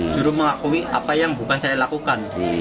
juru mengakui apa yang bukan saya lakukan